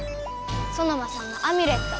ソノマさんのアミュレット。